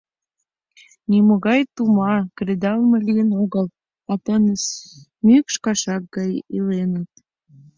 Нимогай тума, кредалме лийын огыл, а тыныс мӱкш кашак гай иленыт.